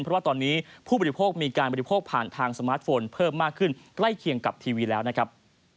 เพราะว่าตอนนี้ผู้บริโภคมีการบริโภคผ่านทางสมาร์ทโฟนเพิ่มมากขึ้นใกล้เคียงกับทีวีแล้วนะครับ